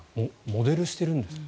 モデルしてるんですよ。